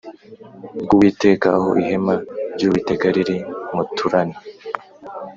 bw Uwiteka aho ihema ry Uwiteka riri muturane